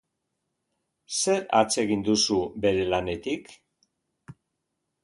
Zer atsegin duzu bere lanetik?